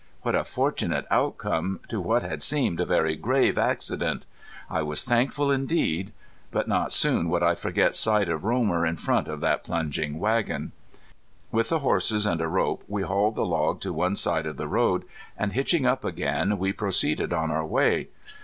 What a fortunate outcome to what had seemed a very grave accident! I was thankful indeed. But not soon would I forget sight of Romer in front of that plunging wagon. With the horses and a rope we hauled the log to one side of the road, and hitching up again we proceeded on our way.